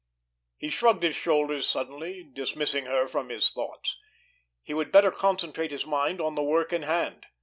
He shrugged his shoulders suddenly, dismissing her from his thoughts. He would better concentrate his mind on the work in hand!